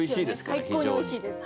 最高においしいです。